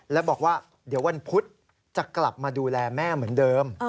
แล้วบอกว่าเดี๋ยววันพุธจะกลับมาดูแลแม่เหมือนเดิม